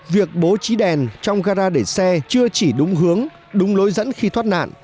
việc bố trí đèn trong gara để xe chưa chỉ đúng hướng đúng lối dẫn khi thoát nạn